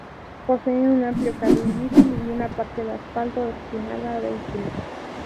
Posee un amplio carril bici y una parte de asfalto destinada a vehículos.